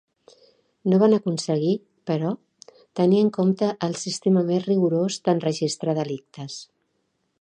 No van aconseguir, però, tenir en compte el sistema més rigorós d'enregistrar delictes.